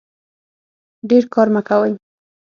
ډیر کار مه کوئ